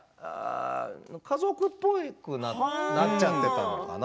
家族っぽくなっちゃっていたのかな？